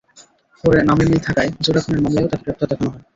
পরে নামের মিল থাকায় জোড়া খুনের মামলায়ও তাঁকে গ্রেপ্তার দেখানো হয়।